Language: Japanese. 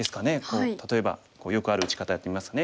例えばよくある打ち方やってみますね。